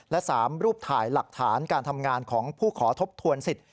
และ๓รูปถ่ายหลักฐานการทำงานของผู้ขอทบทวนสิทธิ